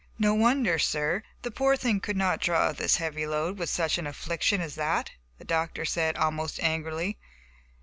"No wonder, sir, the poor thing could not draw this heavy load, with such an affliction as that," the doctor said, almost angrily.